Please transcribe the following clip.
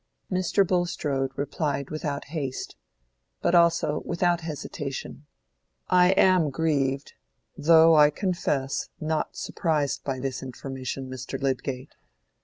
Mr. Bulstrode replied without haste, but also without hesitation. "I am grieved, though, I confess, not surprised by this information, Mr. Lydgate.